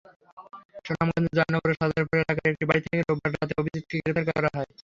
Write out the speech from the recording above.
সুনামগঞ্জের জয়নগরের সরদারপুর এলাকার একটি বাড়ি থেকে রোববার রাতে অভিজিৎকে গ্রেপ্তার করা হয়।